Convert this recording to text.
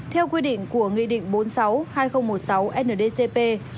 theo quy định của nghị định bốn mươi sáu hai nghìn một mươi sáu ndcp